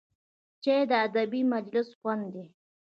چای د ادبي مجلس خوند دی